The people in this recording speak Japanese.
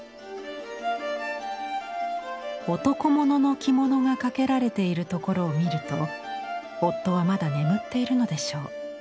男物の着物が掛けられているところを見ると夫はまだ眠っているのでしょう。